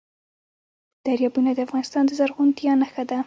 دریابونه د افغانستان د زرغونتیا نښه ده.